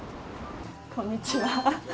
こんにちは。